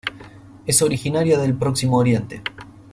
Es originaria del Próximo Oriente.